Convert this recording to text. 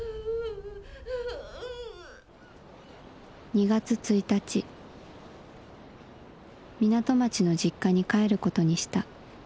「２月１日港町の実家に帰ることにした。